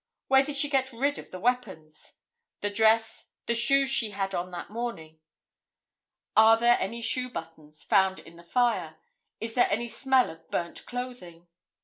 Where did she get rid of the weapons? The dress, the shoes she had on that morning. Are there any shoe buttons found in the fire? Is there any smell of burnt clothing?